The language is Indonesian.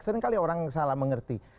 sering kali orang salah mengerti